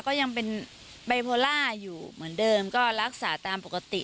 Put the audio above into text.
ก็ยังเป็นไบโพล่าอยู่เหมือนเดิมก็รักษาตามปกติ